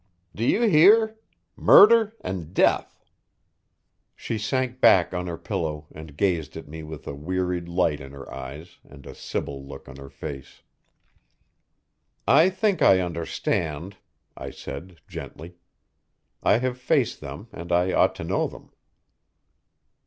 Do you hear? Murder and death." She sank back on her pillow and gazed at me with a wearied light in her eyes and a sibyl look on her face. "I think I understand," I said gently. "I have faced them and I ought to know them."